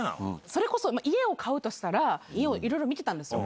それこそ家を買うとしたら、家をいろいろ見てたんですよ。